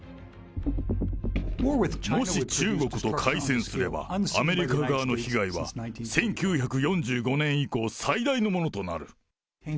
もし中国と開戦すれば、アメリカ側の被害は１９４５年以降、最大のものとなる。